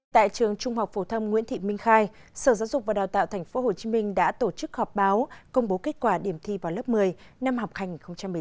tại trường trung học phổ thông nguyễn thị minh khai sở giáo dục và đào tạo tp hcm đã tổ chức họp báo công bố kết quả điểm thi vào lớp một mươi năm học hai nghìn một mươi chín hai nghìn hai mươi